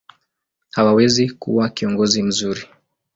hawezi kuwa kiongozi mzuri.